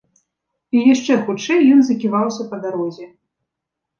І яшчэ хутчэй ён заківаўся па дарозе.